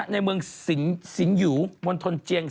ในเมืองสิงหยูมณฑลเจียง